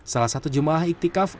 salah satu jemaah iktikaf